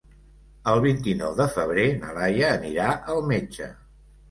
El vint-i-nou de febrer na Laia anirà al metge.